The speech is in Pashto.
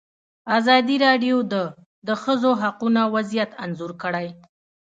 ازادي راډیو د د ښځو حقونه وضعیت انځور کړی.